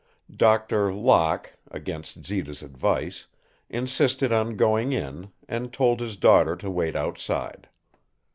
Doctor Locke, against Zita's advice, insisted on going in, and told his daughter to wait outside.